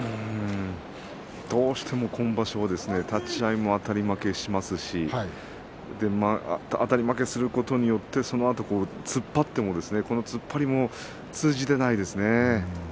どうしても今場所立ち合いもあたり負けしますしあたり負けすることによってそのあと突っ張っても突っ張りも通じていないですね。